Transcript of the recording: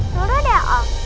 suruh deh om